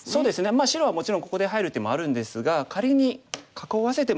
まあ白はもちろんここで入る手もあるんですが仮に囲わせても。